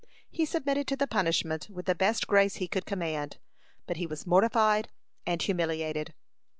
He submitted to the punishment with the best grace he could command, but he was mortified and humiliated.